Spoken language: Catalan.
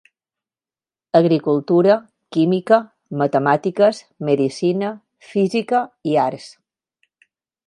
Agricultura, Química, Matemàtiques, Medicina, Física, i Arts.